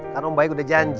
kan om baik udah janji